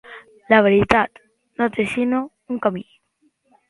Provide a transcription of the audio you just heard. La veritat no té sinó un camí.